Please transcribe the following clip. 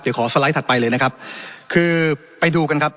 เดี๋ยวขอสไลด์ถัดไปเลยนะครับคือไปดูกันครับ